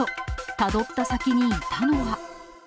たどった先にいたのは？